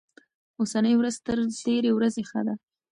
اوسنۍ ورځ تر تېرې ورځې ښه ده.